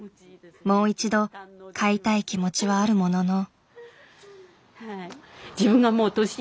もう一度飼いたい気持ちはあるものの。